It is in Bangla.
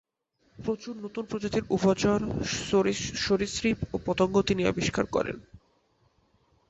প্রচুর নতুন প্রজাতির উভচর, সরীসৃপ ও পতঙ্গ তিনি আবিষ্কার করেন।